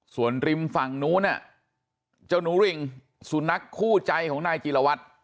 ส่วนริมฝั่งนู้นเจ้าหนูริ่งสุนัขคู่ใจของนายจีรวัตร